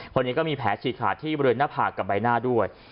จะมีแผลฉีดขาดที่เบลือนน้าผากกับใบหน้าถ้วย